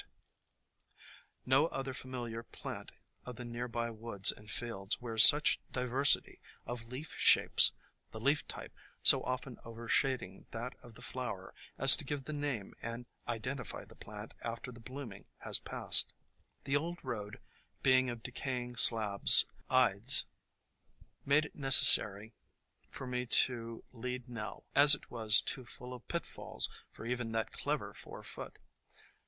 No THE COMING OF SPRING other familiar plant of the near by woods and fields wears such diversity of leaf shapes, the leaf type so often overshading that of the flower as to give the name and identify the plant after the bloom ing has passed. The old road, being of decay ing slabs ides , made it necessary for me to lead Nell, as it was too full of pit falls for even that clever four foot.